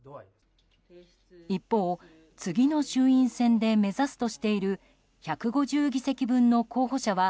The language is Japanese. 一方、次の衆院選で目指すとしている１５０議席分の候補者は